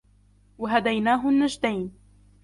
وهديناه النجدين